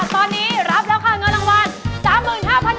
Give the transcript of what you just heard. ตอนนี้รับแล้วค่ะเงินรางวัล